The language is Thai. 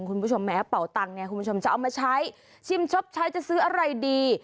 คุณผู้ชมแม้เป่าตังค์เนี่ยคุณผู้ชมจะเอามาใช้ชิมชบใช้จะซื้ออะไรดี